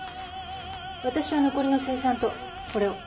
わたしは残りの精算とこれを。